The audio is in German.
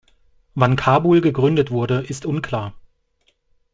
Wann Kabul gegründet wurde, ist unklar.